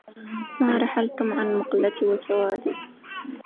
ما رحلتم عن مقلتي وسوادي